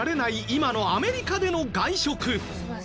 今のアメリカでの外食。